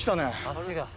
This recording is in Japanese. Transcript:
足が。